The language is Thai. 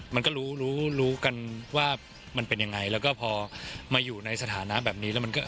มันก็รู้รู้กันว่ามันเป็นยังไงแล้วก็พอมาอยู่ในสถานะแบบนี้แล้วมันก็